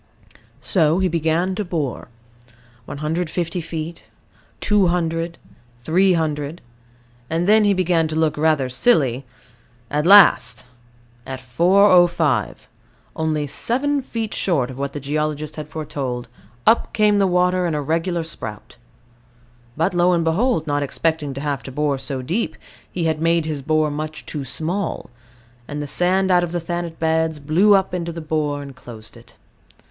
So he began to bore 150 feet, 200, 300: and then he began to look rather silly; at last, at 405 only seven feet short of what the geologist had foretold up came the water in a regular spout. But, lo and behold, not expecting to have to bore so deep, he had made his bore much too small; and the sand out of the Thanet beds "blew up" into the bore, and closed it.